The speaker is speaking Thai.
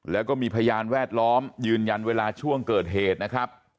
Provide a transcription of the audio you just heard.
แล้วก็มีพยานแวดล้อมยืนยันเวลาช่วงเกิดเหตุนะครับ